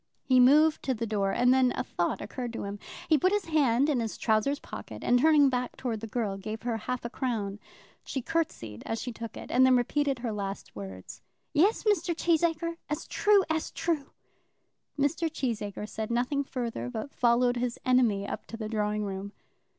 He moved to the door, and then a thought occurred to him. He put his hand to his trousers pocket, and turning back towards the girl, gave her half a crown. She curtsied as she took it, and then repeated her last words. "Yes, Mr. Cheesacre, as true as true." Mr. Cheesacre said nothing further, but followed his enemy up to the drawing room.